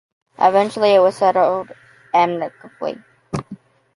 Eventually, it was settled amicably.